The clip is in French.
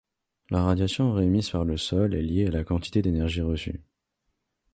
La radiation réémise par le sol est liée à la quantité d'énergie reçue.